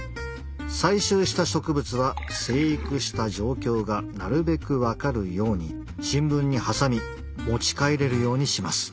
採集した植物は生育した状況がなるべく分かるように新聞に挟み持ち帰れるようにします。